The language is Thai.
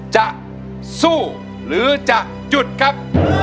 จะสู้หรือจะหยุดครับ